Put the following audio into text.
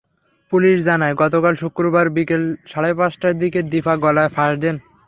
Police জানায়, গতকাল শুক্রবার বিকেল সাড়ে পাঁচটার দিকে দীপা গলায় ফাঁস দেন।